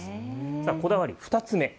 さあ、こだわり２つ目。